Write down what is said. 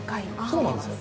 そうなんですよ。